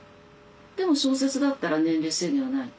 でも小説だったら年齢制限はない。